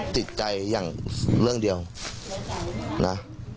ติดใจอย่างเรื่องเดียวนะ